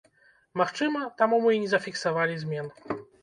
Магчыма, таму мы і не зафіксавалі змен.